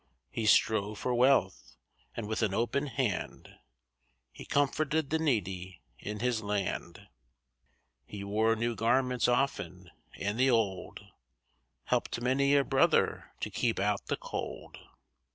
He strove for wealth, and with an open hand He comforted the needy in his land. He wore new garments often, and the old Helped many a brother to keep out the cold.